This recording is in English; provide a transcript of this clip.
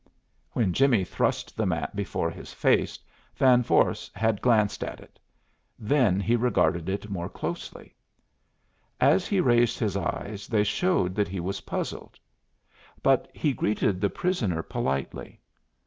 When Jimmie thrust the map before his face, Van Vorst had glanced at it. Then he regarded it more closely. As he raised his eyes they showed that he was puzzled. But he greeted the prisoner politely.